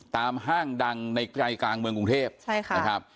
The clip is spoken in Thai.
ห้างดังในใจกลางเมืองกรุงเทพใช่ค่ะนะครับ